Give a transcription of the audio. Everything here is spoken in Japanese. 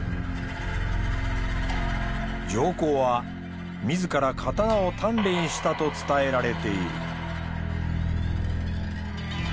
上皇は自ら刀を鍛錬したと伝えられている。